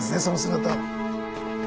その姿を。